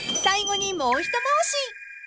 ［最後にもう一回し］